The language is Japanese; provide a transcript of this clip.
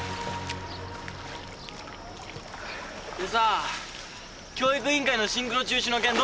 でさあ教育委員会のシンクロ中止の件どうする？